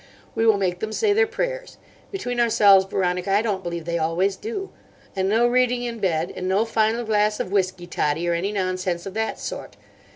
We will make them say their prayers. Between ourselves, Veronica, I don't believe they always do. And no reading in bed, and no final glass of whisky toddy, or any nonsense of that sort.